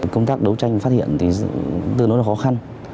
công tác đấu tranh phát hiện tương đối khó khăn